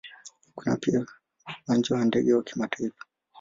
Kuna pia Uwanja wa ndege wa kimataifa.